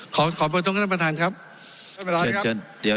ขอขอพูดได้ตรงท่านประทานครับเดี๋ยวขอ